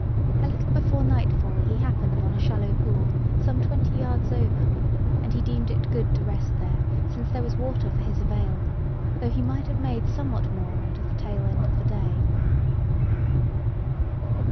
A little before nightfall he happened on a shallow pool some twenty yards over; and he deemed it good to rest there, since there was water for his avail, though he might have made somewhat more out of the tail end of the day.